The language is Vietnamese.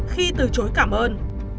khi từ chối cảm ơn